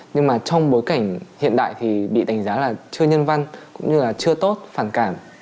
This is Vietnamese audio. nhưng mà trong bối cảnh hiện đại thì bị đánh giá là chưa nhân văn cũng như là chưa tốt phản cảm